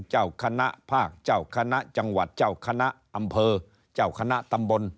เจ้าคณะภาคเจ้าคณะจังหวัดเจ้าคณะอำเภอเจ้าคณะตำบล